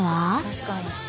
確かに。